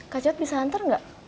kak jod bisa hantar gak